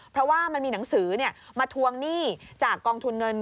เพราะว่ามันมีหนังสือมาทวงหนี้จากกองทุนเงิน